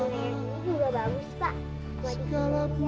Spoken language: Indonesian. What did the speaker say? ya allah yang kuanggu